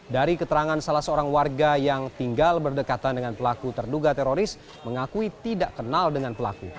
dari keterangan salah seorang warga yang tinggal berdekatan dengan pelaku terduga teroris mengakui tidak kenal dengan pelaku